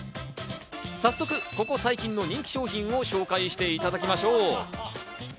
早速、ここ最近の人気商品を紹介していただきましょう。